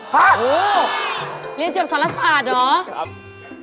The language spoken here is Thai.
โหเรียนจุดศาลศาสตร์เหรอ